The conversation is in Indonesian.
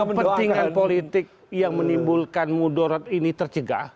kepentingan politik yang menimbulkan mudarat ini tercegah